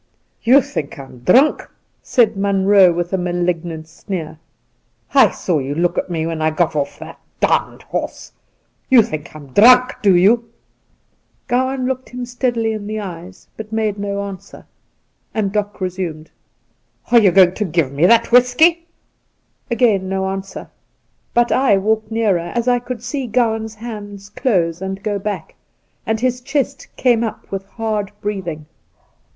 'You think I'm drunk,' said Munroe, with a Soltke 67 malignant sneer. ' I saw you look at me when I got off that d d horse ! You think I'm drunk, do you V Gowan looked him steadily in the eyes, but made no answer, and Doc resumed :' Ate you going to give me that whisky T Again no answer ; but I walked nearer, as I could see Gowan's hands close and go back, and his chest came up with hard breathing.